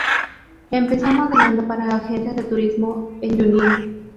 Empezó modelando para agencias de turismo en Junín.